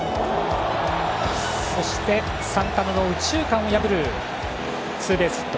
そしてサンタナの右中間を破るツーベースヒット。